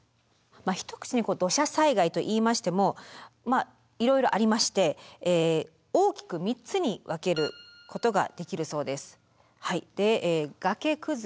まあ一口に土砂災害といいましてもいろいろありまして大きく３つに分けることができるそうです。